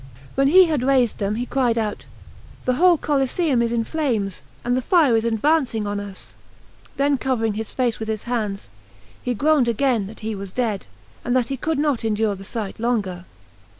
When he had raised them he cried out: "The whole Coliseum is in flames, and the fire is advancing on us;" then covering his face with his hands, he groaned again that he was dead, and that he could not endure the sight longer.